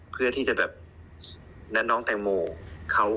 เพื่อที่จะแบบนัดน้องแตงโมเขา